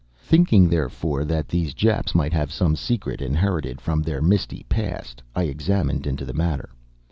Thinking, therefore, that these Japs might have some secret inherited from their misty past, I examined into the matter.